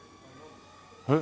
えっ！？